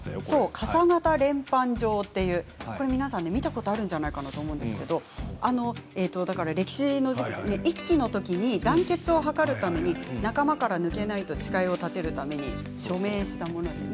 傘形連判状という、皆さん見たことあるんじゃないかと思うんですけれど歴史の授業で、一揆のときに団結を図るために仲間から抜けないと誓い立てるために署名をしたものなんですね。